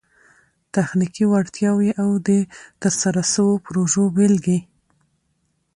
تخنیکي وړتیاوي او د ترسره سوو پروژو بيلګي